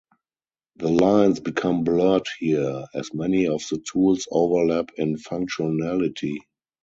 The lines become blurred here, as many of the tools overlap in functionality.